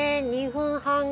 ２分半。